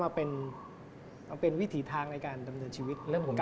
เอาตรงนี้มาเป็นวิถีทางในการทำชีวิตกลับกัน